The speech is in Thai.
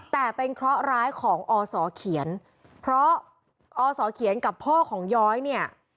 แต่เป็นเคราะห์ร้ายของอศเขียนเพราะอศเขียนกับพ่อของย้อยเนี่ย